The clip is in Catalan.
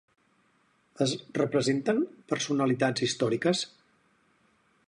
Es representen personalitats històriques?